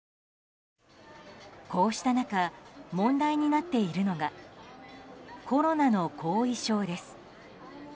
こうした中問題になっているのがコロナの後遺症です。